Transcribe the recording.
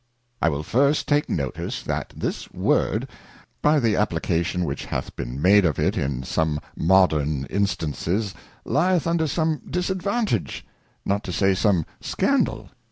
I will first take notice, that this Word, by the application which hath been made of it in some modern instances lieth under some Disadvantage, not to say some Scandal.